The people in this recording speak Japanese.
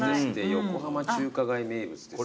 横浜中華街名物ですから。